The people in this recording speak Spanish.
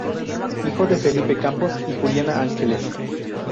Hijo de Felipe Campos y Juliana Ángeles.